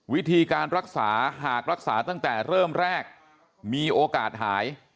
วิธีการรักษาหากรักษาตั้งแต่เริ่มแรกมีโอกาสหาย